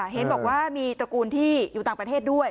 เห็นบอกว่ามีตระกูลที่อยู่ต่างประเทศด้วย